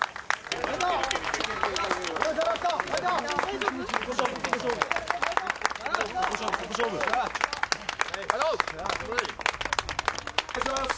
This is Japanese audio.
・お願いします。